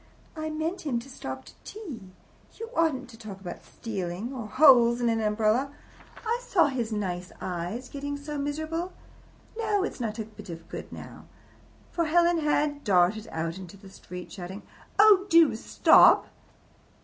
I meant him to stop to tea. You oughtn't to talk about stealing or holes in an umbrella. I saw his nice eyes getting so miserable. No, it's not a bit of good now." For Helen had darted out into the street, shouting, "Oh, do stop!"